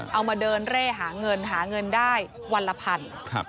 เอามาเดินเร่หาเงินหาเงินได้วันละพัน